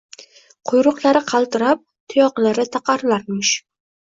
Quyruqlari qaltirab, tuyoqlari taqirlarmish